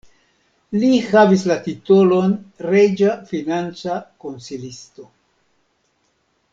Li havis la titolon reĝa financa konsilisto.